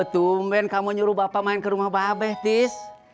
tumben kamu nyuruh bapak main ke rumah babeh tis